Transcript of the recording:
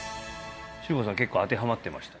千里子さん結構当てはまってました？